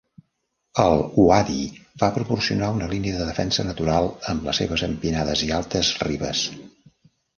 El uadi va proporcionar una línia de defensa natural amb les seves empinades i altes ribes.